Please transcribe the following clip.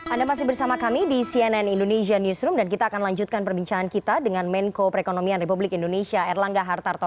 anda masih bersama kami di cnn indonesia newsroom dan kita akan lanjutkan perbincangan kita dengan menko perekonomian republik indonesia erlangga hartarto